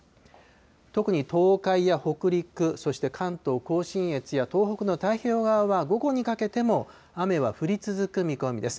特に東海や北陸、そして関東甲信越や東北の太平洋側は、午後にかけても雨は降り続く見込みです。